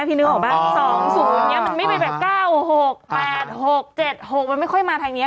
มันมีไว้แบบเก้าหกสองเสิดหกมันไม่ค่อยมาทางนี้